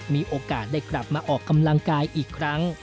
มีโอกาสได้กลับมาออกกำลังกายอีกครั้ง